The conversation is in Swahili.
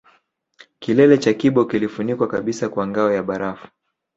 Kilele cha Kibo kilifunikwa kabisa kwa ngao ya barafu